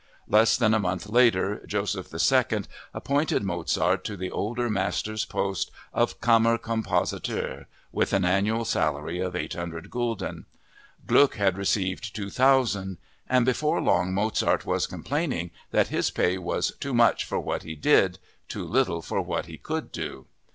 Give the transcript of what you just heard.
Less than a month later Joseph II appointed Mozart to the older master's post of Kammerkompositeur, with an annual salary of 800 Gulden. Gluck had received 2000; and before long Mozart was complaining that his pay was "too much for what he did, too little for what he could do."